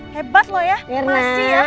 hebat lo ya masih ya